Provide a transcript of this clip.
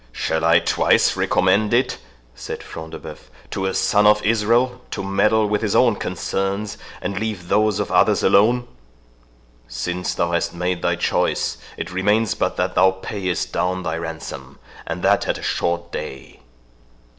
"Shall I twice recommend it," said Front de Bœuf, "to a son of Israel, to meddle with his own concerns, and leave those of others alone?—Since thou hast made thy choice, it remains but that thou payest down thy ransom, and that at a short day."